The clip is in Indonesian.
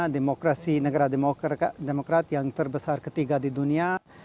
demokrasi negara demokrat yang terbesar ketiga di dunia